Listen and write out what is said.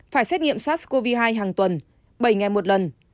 phải xét nghiệm sars cov hai hàng tuần bảy ngày một lần